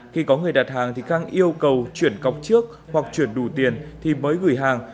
khi có người đặt hàng thì khang yêu cầu chuyển cọc trước hoặc chuyển đủ tiền thì mới gửi hàng